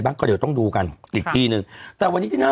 ก็เดี๋ยวต้องดูกันอีกที่หนึ่งแต่วันนี้ที่หน้า